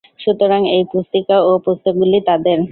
সুতরাং এই পুস্তিকা ও পুস্তকগুলি তাদের।